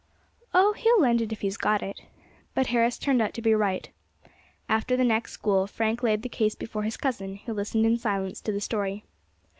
"Oh, he will lend it if he's got it." But Harris turned out to be right. After the next school Frank laid the case before his cousin, who listened in silence to the story.